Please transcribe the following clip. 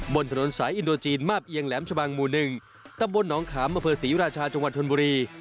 บนถนนสายอินโดจีนมาบเอียงแหลมชะบังหมู่๑ตำบลหนองขามอเภอศรีราชาจังหวัดชนบุรี